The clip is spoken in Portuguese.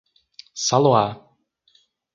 Saloá